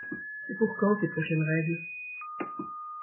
C’est pour quand tes prochaines règles ?